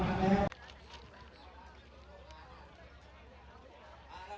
เมื่อเมื่อเมื่อ